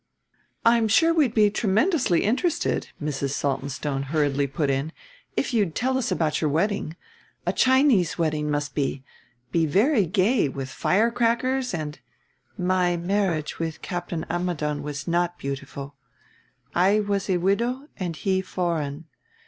"I'm sure we'd be tremendously interested," Mrs. Saltonstone hurriedly put in, "if you'd tell us about your wedding. A Chinese wedding must be be very gay, with firecrackers and " "My marriage with Captain Ammidon was not beautiful I was a widow and he foreign.